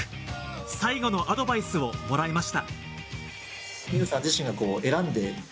最後のアドバイスをもらいました。